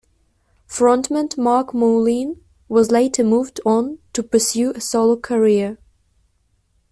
Frontman Marc Moulin was later moved on to pursue a solo career.